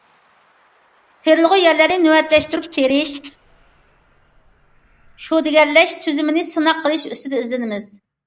تېرىلغۇ يەرلەرنى نۆۋەتلەشتۈرۈپ تېرىش، شۈدىگەرلەش تۈزۈمىنى سىناق قىلىش ئۈستىدە ئىزدىنىمىز.